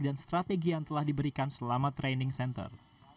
dan strategi yang telah diberikan selama training center